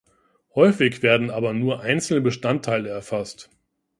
Häufig werden aber nur einzelne Bestandteile erfasst.